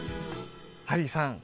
ハリーさん